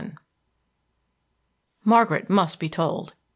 XXI Margaret must be told.